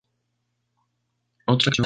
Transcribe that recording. Otra canción de relevancia fue "Do Ya Thang".